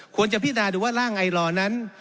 ควรจะพินาดูว่าร่างไอรอนั้น